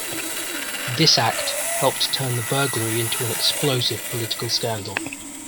This act helped turn the burglary into an explosive political scandal.